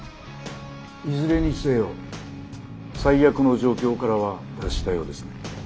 いずれにせよ最悪の状況からは脱したようですね。